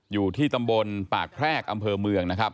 อยู่ที่ตำบลปากแพรกอำเภอเมืองนะครับ